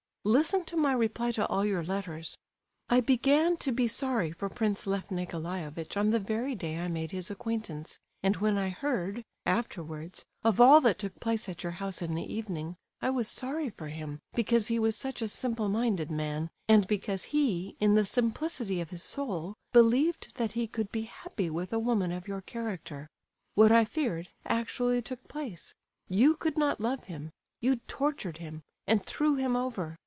Listen to my reply to all your letters. I began to be sorry for Prince Lef Nicolaievitch on the very day I made his acquaintance, and when I heard—afterwards—of all that took place at your house in the evening, I was sorry for him because he was such a simple minded man, and because he, in the simplicity of his soul, believed that he could be happy with a woman of your character. What I feared actually took place; you could not love him, you tortured him, and threw him over.